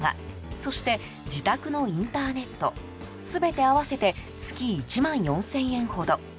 そして、自宅のインターネット全て合わせて月１万４０００円ほど。